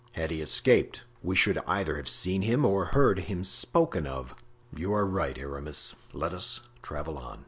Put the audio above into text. "Had he escaped we should either have seen him or have heard him spoken of." "You are right, Aramis, let us travel on."